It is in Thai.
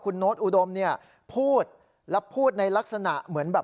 กนอุดมพูดและพูดในลักษณะเหมือนแบบ